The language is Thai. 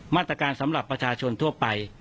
มาตรการสำหรับประชาชนทั่วไป